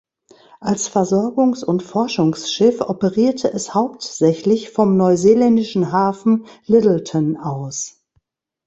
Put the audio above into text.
Als Versorgungs- und Forschungsschiff operierte es hauptsächlich vom neuseeländischen Hafen Lyttelton aus.